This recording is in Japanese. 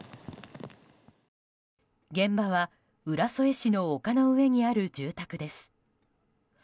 現場は浦添市の丘の上にある住宅です。